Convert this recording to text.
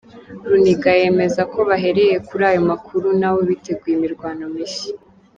Runiga yemeza ko bahereye kuri ayo makuru nabo biteguye imirwano mishya.